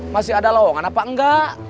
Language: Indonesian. masih ada lowongan apa enggak